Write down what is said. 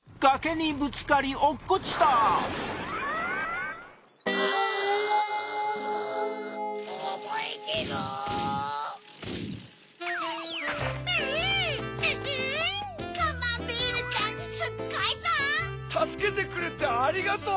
たすけてくれてありがとう！